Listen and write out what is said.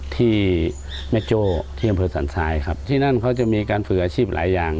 ที่แม่โจ้ที่อำเภอสันทรายครับที่นั่นเขาจะมีการฝึกอาชีพหลายอย่าง